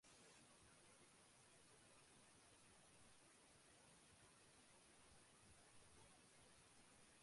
তবে, তিনি কখনও প্রথম একাদশের পক্ষে খেলার সুযোগ পাননি।